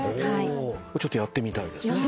ちょっとやってみたいですね。